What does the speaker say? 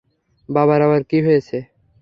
বাবার আবার কি হয়েছে?